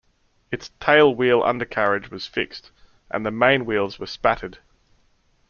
Its tailwheel undercarriage was fixed, and the mainwheels were spatted.